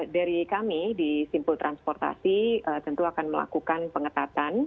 dari kami di simpul transportasi tentu akan melakukan pengetatan